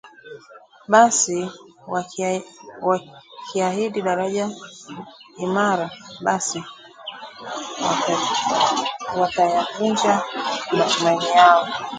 basi wakiahidi daraja imara basi watayavunja matumaini hayo